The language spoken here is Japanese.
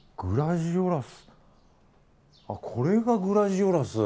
あっこれがグラジオラス